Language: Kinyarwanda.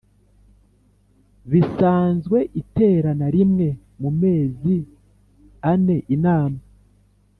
Bisanzwe iterana rimwe mu mezi ane inama